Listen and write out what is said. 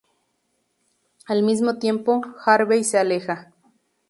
Al mismo tiempo, Harvey se aleja.